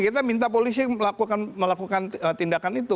kita minta polisi melakukan tindakan itu